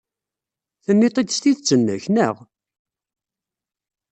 Tenniḍ-t-id s tidet-nnek, naɣ?